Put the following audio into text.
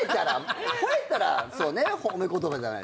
吠えたらそうね褒め言葉じゃない。